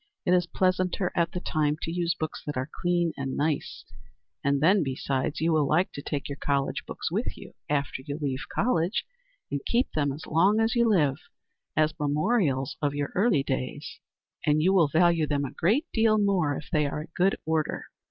It is pleasanter, at the time, to use books that are clean and nice, and then, besides, you will like to take your college books with you, after you leave college, and keep them as long as you live, as memorials of your early days, and you will value them a great deal more if they are in good order."